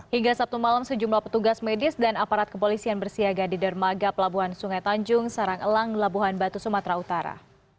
hingga sabtu malam sejumlah petugas medis dan aparat kepolisian bersiaga di dermaga pelabuhan sungai tanjung sarang elang labuhan batu sumatera utara